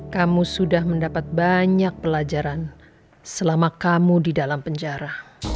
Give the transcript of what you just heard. kamu sudah mendapat banyak pelajaran selama kamu di dalam penjara